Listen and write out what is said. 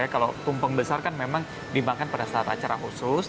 kalau tumpeng besar kan memang dimakan pada saat acara khusus